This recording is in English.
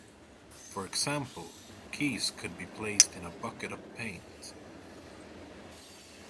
For example, keys could be placed in a bucket of paint.